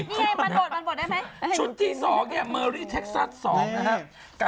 มันบดมันบดได้ไหมชุดที่สองเนี่ยเมอร์รี่เท็กซัสสองนะครับ